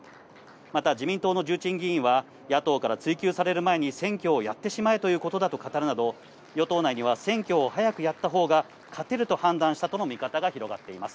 また自民党の重鎮議員は、野党から追及される前に選挙をやってしまえということだと語るなど、与党内には選挙を早くやったほうが勝てると判断したとの見方が広がっています。